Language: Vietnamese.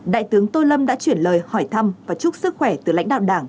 đại tướng tô lâm đã chuyển lời hỏi thăm và chúc sức khỏe từ lãnh đạo đảng